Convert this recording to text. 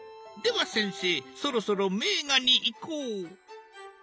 では先生そろそろ名画にいこう。